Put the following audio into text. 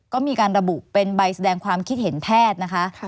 ก็มีการระบุเป็นใบแสดงความคิดเห็นแพทย์นะคะ